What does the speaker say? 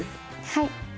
はい。